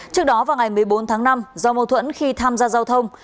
trước đó vào ngày một mươi bốn tháng năm do mâu thuẫn khi tham gia giao thông